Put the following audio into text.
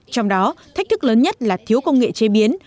trong đó thách thức lớn nhất là thiếu công nghệ chế biến